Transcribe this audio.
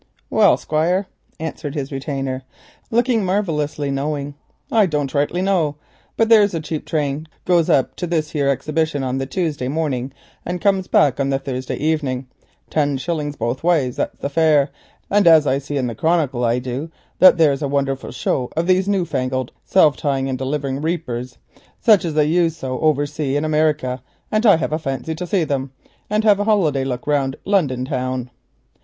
"Well, Squire," answered his retainer, looking marvellously knowing, "I don't rightly know, but there's a cheap train goes up to this here Exhibition on the Tuesday morning and comes back on the Thursday evening. Ten shillings both ways, that's the fare, and I see in the Chronicle, I du, that there's a wonnerful show of these new fangled self tying and delivering reapers, sich as they foreigners use over sea in America, and I'm rarely fell on seeing them and having a holiday look round Lunnon town.